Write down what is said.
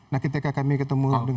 nah ketika kami ketemu dengan